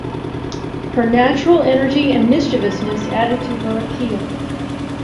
Her natural energy and mischievousness added to her appeal.